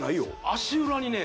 足裏にね